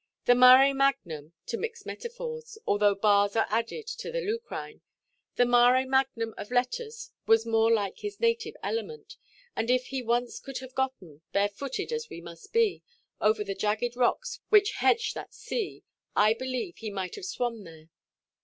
The mare magnum—to mix metaphors, although bars are added to the Lucrine—the mare magnum of letters was more like his native element; and, if he once could have gotten—bare–footed as we must be—over the jagged rocks which hedge that sea, I believe he might have swum there.